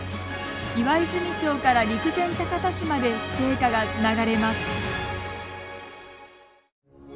岩泉町から陸前高田市まで聖火がつながれます。